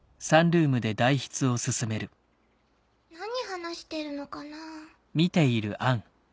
何話してるのかなぁ？